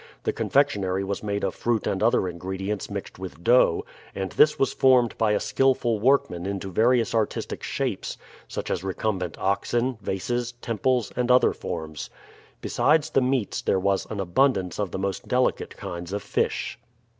The confectionary was made of fruit and other ingredients mixed with dough, and this was formed by a skillful workman into various artistic shapes, such as recumbent oxen, vases, temples, and other forms. Besides the meats there was an abundance of all the most delicate kinds of fish.